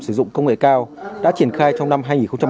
sử dụng công nghệ cao đã triển khai trong năm hai nghìn một mươi tám